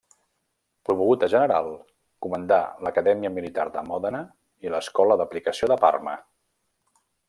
Promogut a general, comandà l'Acadèmia Militar de Mòdena i l'Escola d'Aplicació de Parma.